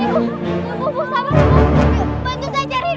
ya ampun ibu ibu ibu sabar ibu